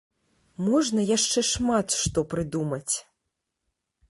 Можна яшчэ шмат што прыдумаць.